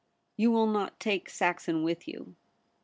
' You will not take Saxon with you.